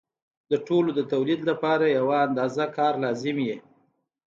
د ټولو د تولید لپاره یوه اندازه کار لازم وي